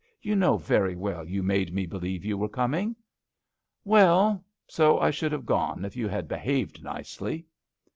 You know very well you made me believe you were coming." " Well, so I should have gone if you had behaved nicely."